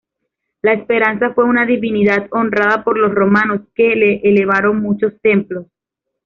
La esperanza fue una divinidad honrada por los romanos que le elevaron muchos templos.